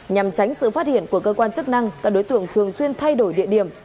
nhằm tránh sự phát hiện của cơ quan chức năng các đối tượng thường xuyên thay đổi địa điểm